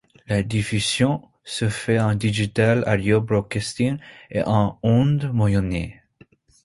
La diffusion se fait en Digital Audio Broadcasting et en ondes moyennes.